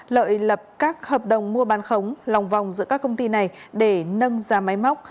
lợi lập các hợp đồng mua bán khống lòng vòng giữa các công ty này để nâng ra máy móc